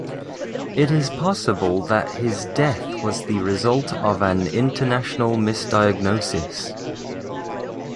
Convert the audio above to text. It is possible that his death was the result of an intentional misdiagnosis.